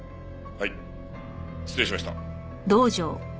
はい失礼しました。